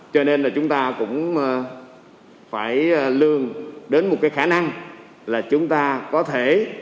cho nên là chúng ta cũng phải lương đến một cái khả năng là chúng ta có thể